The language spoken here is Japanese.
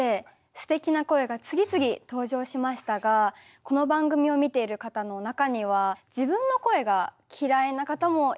すてきな声が次々登場しましたがこの番組を見ている方の中には自分の声が嫌いな方もいると思います。